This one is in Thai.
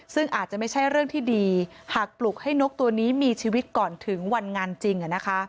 ซึ่งอาจจะไม่ใช่เรื่องที่ดีหากปลุกให้นกตัวนี้มีชีวิตก่อนถึงวันงานจริง